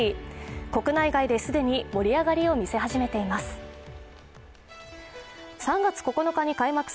国内外で既に盛り上がりを見せ始めています。